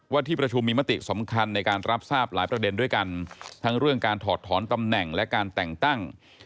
ที่ประชุมมีมติสำคัญในการรับทราบหลายประเด็นด้วยกันทั้งเรื่องการถอดถอนตำแหน่งและการแต่งตั้ง